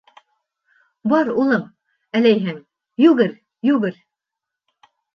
— Бар, улым, әләйһәң, йүгер, йүгер.